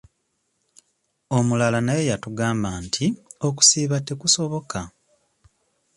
Omulala naye yatugamba nti okusiiba tekusoboka.